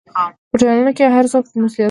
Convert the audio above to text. په ټولنه کې هر څوک مسؤلیت لري.